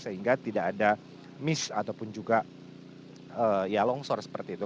sehingga tidak ada miss ataupun juga ya longsor seperti itu